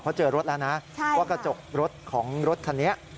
เพราะเจอรถแล้วนะว่ากระจกรถของรถคันนี้